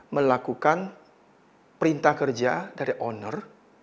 melakukan perintah kerja dari owner